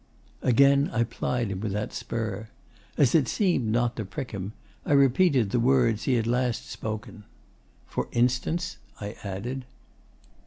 Again I plied him with that spur. As it seemed not to prick him, I repeated the words he had last spoken. 'For instance?' I added.